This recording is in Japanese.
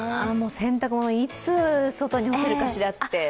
洗濯物、いつ外に干せるかしらって。